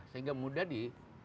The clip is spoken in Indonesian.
sehingga mudah di